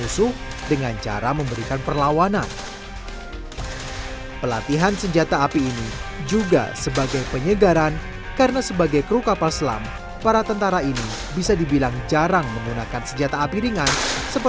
suatu pemahaman tentang tugas